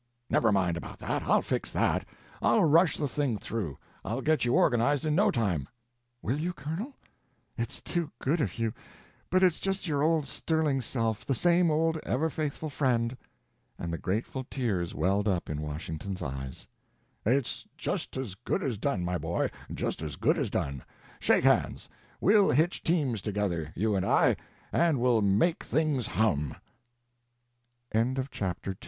"Never mind about that; I'll fix that. I'll rush the thing through, I'll get you organized in no time." "Will you, Colonel?—it's too good of you; but it's just your old sterling self, the same old ever faithful friend," and the grateful tears welled up in Washington's eyes. "It's just as good as done, my boy, just as good as done. Shake hands. We'll hitch teams together, you and I, and we'll make things hum!" CHAPTER III.